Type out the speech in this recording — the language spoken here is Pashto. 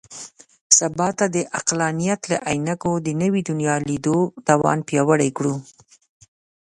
سبا ته د عقلانیت له عینکو د نوي دنیا لیدو توان پیاوړی کړو.